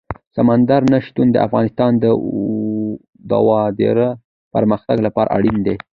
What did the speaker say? سمندر نه شتون د افغانستان د دوامداره پرمختګ لپاره اړین دي.